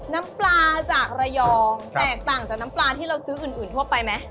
น้ำปลาจากระยองแตกต่างจากน้ำปลาที่เราซื้ออื่นทั่วไปไหม